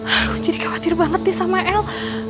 aku jadi khawatir banget nih sama el